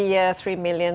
karena setiap tahun